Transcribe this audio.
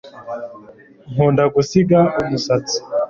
Nkunda gusiga umusatsi